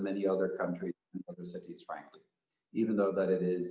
dan oleh contohnya indonesia adalah bagian penting dan penting